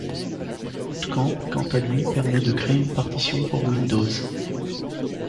Boot Camp quant à lui permet de créer une partition pour Windows.